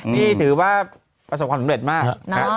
นี่ถือว่าประสบความสำเร็จมาก